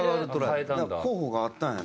候補があったんやな。